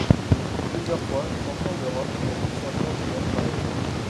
Il fut plusieurs fois champion d'Europe et vice-champion du monde par équipes.